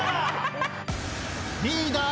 リーダー